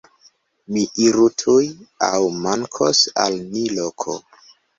Ni iru tuj, aŭ mankos al ni loko!